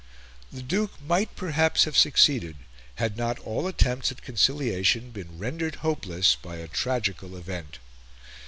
The Duke might perhaps have succeeded, had not all attempts at conciliation been rendered hopeless by a tragical event.